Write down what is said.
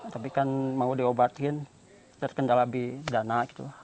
tapi kan mau diobatin terkendala gitu